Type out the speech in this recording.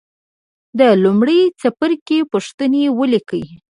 د لومړي څپرکي پوښتنې ولیکئ.